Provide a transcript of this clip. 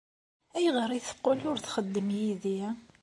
Ayɣer ay teqqel ur txeddem yid-i?